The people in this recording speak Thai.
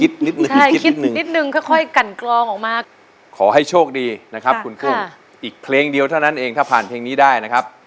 โทษให้โทษให้โทษให้โทษให้